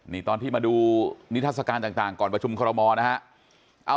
นี่ตอนที่มาดูนิทัศกาลต่างก่อนประชุมคอรมอลนะฮะ